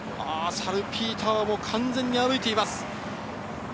サルピーターは完全に歩いています。